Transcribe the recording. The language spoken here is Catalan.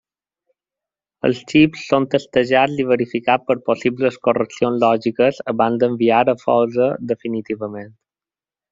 Els xips són testejats i verificats per possibles correccions lògiques abans d'enviar a fosa definitivament.